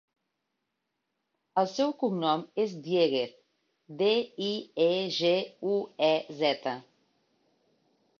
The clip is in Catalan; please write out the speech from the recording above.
El seu cognom és Dieguez: de, i, e, ge, u, e, zeta.